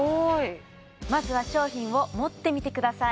まずは商品を持ってみてください